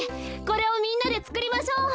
これをみんなでつくりましょう。